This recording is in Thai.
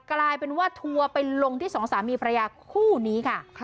กลายเป็นว่าทัวร์ไปลงที่สองสามีภรรยาคู่นี้ค่ะ